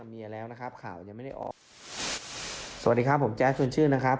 สวัสดีครับผมแจ๊สชวนชื่นนะครับ